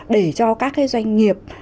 để cho các doanh nghiệp